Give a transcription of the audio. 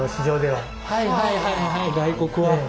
はいはいはいはい外国は。